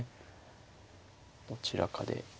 どちらかで。